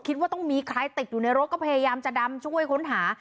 คิดว่าต้องมีใครติดอยู่ในรถก็พยายามจะดำช่วยค้นหา